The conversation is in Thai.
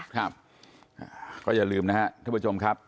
ครับก็อย่าลืมนะครับท่านผู้ชมครับ